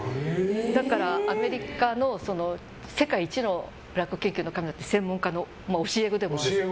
だから、アメリカの世界一のラッコ研究の専門家の教え子でもあって。